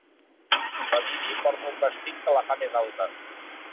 La Bibi porta un vestit que la fa més alta.